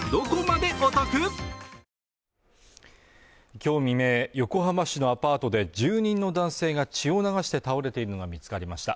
今日未明、横浜市のアパートで住人の男性が血を流して倒れているのが見つかりました。